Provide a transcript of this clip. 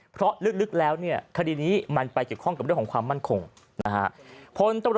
เพราะลึกแล้วเนี่ยคดีนี้มันไปเกี่ยวข้องกับเรื่องของความมั่นคงนะฮะ